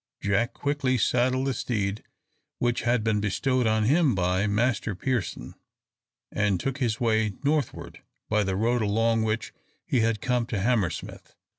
Jack quickly saddled the steed which had been bestowed on him by Master Pearson, and took his way northward by the road along which he had come to Hammersmith.